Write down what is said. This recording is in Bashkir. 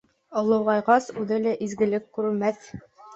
Олоғайғас, үҙе лә изгелек күрмәҫ.